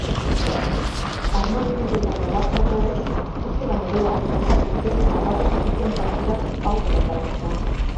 Armaginek eta babazorroek uste baino gehiago sofritu zuten jokatu zituzten partidak aurrera ateratzeko.